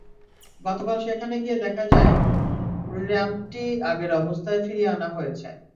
গতকাল সেখানে গিয়ে দেখা যায়, র্যাম্পটি আগের অবস্থায় ফিরিয়ে আনা হয়েছে।